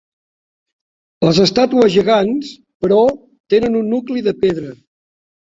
Les estàtues gegants, però, tenen un nucli de pedra.